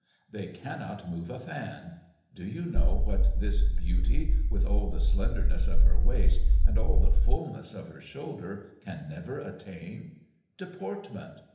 They cannot move a fan! Do you know what this beauty, with all the slenderness of her waist, and all the fulness of her shoulders, can never attain? Deportment!